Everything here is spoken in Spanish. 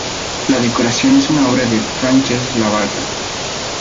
La decoración es obra de Francesc Labarta.